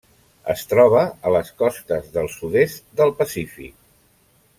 Es troba a les costes del sud-est del Pacífic.